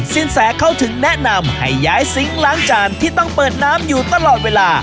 สินแสเขาถึงแนะนำให้ย้ายซิงค์ล้างจานที่ต้องเปิดน้ำอยู่ตลอดเวลา